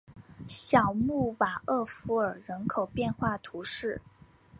小穆瓦厄夫尔人口变化图示